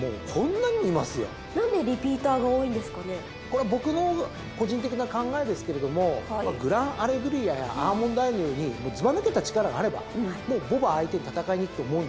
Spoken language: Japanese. これは僕の個人的な考えですけれどもグランアレグリアやアーモンドアイのようにずば抜けた力があればもう牡馬相手に戦いに行くと思うんですよ。